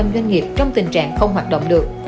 bốn mươi doanh nghiệp trong tình trạng không hoạt động được